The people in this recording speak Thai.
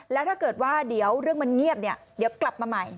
แล้วถ้าเกิดว่าเดี๋ยวเรื่องมันเงียบเนี่ยเดี๋ยวกลับมาใหม่